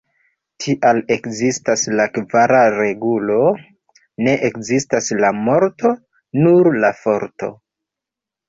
Tial ekzistas la kvara regulo: "Ne ekzistas la morto, nur la Forto".